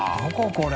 これ。